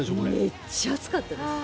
めっちゃ暑かったです。